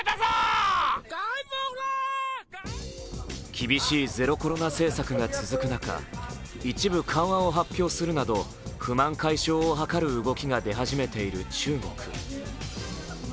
厳しいゼロコロナ政策が続く中、一部緩和を発表するなど、不満解消を図る動きが出始めている中国。